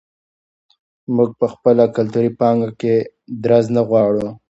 موږ په خپله کلتوري پانګه کې درز نه غواړو.